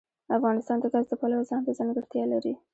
افغانستان د ګاز د پلوه ځانته ځانګړتیا لري.